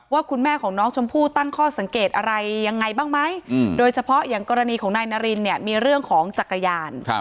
ว่าคุณแม่ของน้องชมพู่ตั้งข้อสังเกตอะไรยังไงบ้างไหมโดยเฉพาะอย่างกรณีของนายนารินเนี่ยมีเรื่องของจักรยาน